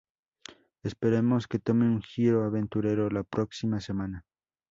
Esperemos que tome un giro aventurero la proxima semana.